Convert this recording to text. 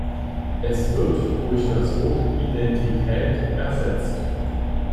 Es wird durch das Wort "Identität" ersetzt.